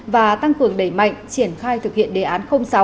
và tăng cường đẩy mạnh triển khai thực hiện đề án sáu